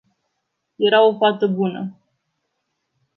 Era o fată bună.